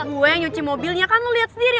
gue yang nyuci mobilnya kan lo lihat sendiri